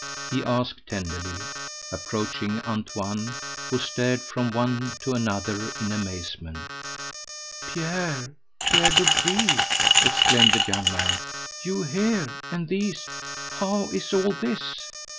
he asked tenderly, approaching Antoine, who stared from one to another in amazement. "Pierre Pierre Dobree!" exclaimed the young man; "you here and these how is all this?"